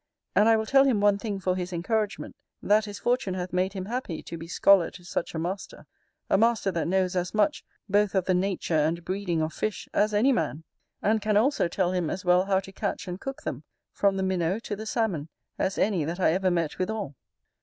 And I will tell him one thing for his encouragement, that his fortune hath made him happy to be scholar to such a master; a master that knows as much, both of the nature and breeding of fish, as any man; and can also tell him as well how to catch and cook them, from the Minnow to the Salmon, as any that I ever met withal.